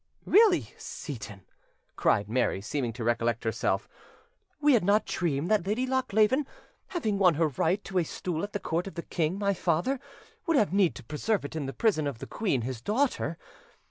"Really, Seyton," cried Mary, seeming to recollect herself, "we had not dreamed that Lady Lochleven, having won her right to a stool at the court of the king my father, would have need to preserve it in the prison of the queen his daughter.